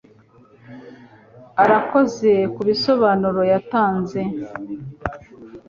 arakoze ku bisobanuro yatanze